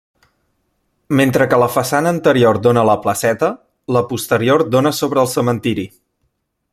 Mentre que la façana anterior dóna a la placeta, la posterior dóna sobre el cementiri.